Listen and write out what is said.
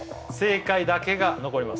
正解だけが残ります